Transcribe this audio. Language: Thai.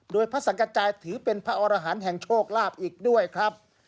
โดยพระสังกระจายถือเป็นพระอรหันต์แห่งโชคลาภอีกด้วยครับ